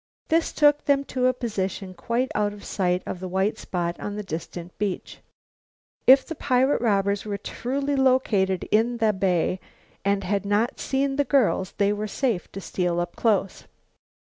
This took them to a position quite out of sight of the white spot on the distant beach. If the pirate robbers were truly located in the bay and had not seen the girls they were safe to steal up close.